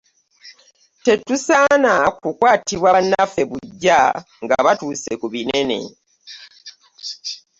Tetusaana kukwatirwa banaffe buggya nga batuse ku binene.